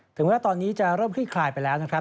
ถึงแม้ตอนนี้จะเริ่มคลี่คลายไปแล้วนะครับ